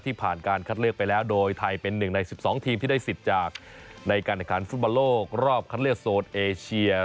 ผ่านการคัดเลือกไปแล้วโดยไทยเป็นหนึ่งใน๑๒ทีมที่ได้สิทธิ์จากในการแข่งขันฟุตบอลโลกรอบคัดเลือกโซนเอเชีย